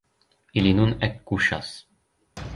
Ili nun ekkuŝas.